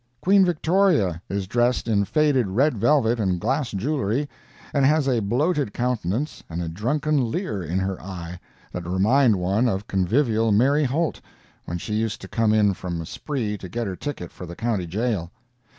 Queen Victoria is dressed in faded red velvet and glass jewelry, and has a bloated countenance and a drunken leer in her eye, that remind one of convivial Mary Holt, when she used to come in from a spree to get her ticket for the County Jail.